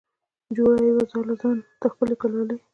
جوړه یې وه ځاله ځان ته ښکلې ګلالۍ